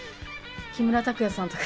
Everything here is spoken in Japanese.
木村拓哉さんとか。